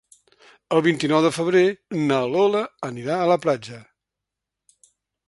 El vint-i-nou de febrer na Lola anirà a la platja.